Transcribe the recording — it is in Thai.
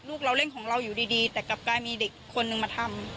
ลูกเราเล่นของเราอยู่ดีแต่กลับกลายมีเด็กคนนึงมาทำ